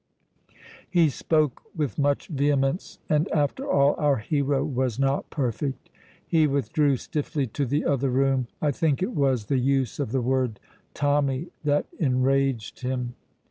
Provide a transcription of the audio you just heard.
He spoke with much vehemence, and, after all, our hero was not perfect. He withdrew stiffly to the other room. I think it was the use of the word Tommy that enraged him.